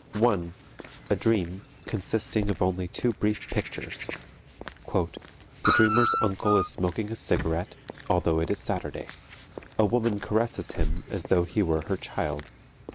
1. A dream, consisting of only two brief pictures: "_The dreamer's uncle is smoking a cigarette, although it is Saturday. A woman caresses him as though he were her child.